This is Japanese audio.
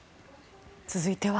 続いては。